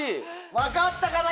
分かったかな？